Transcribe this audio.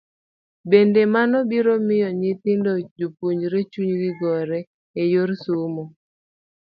Bende, mano biro miyo nyithindo jopuonjre chunygi gore e yor somo.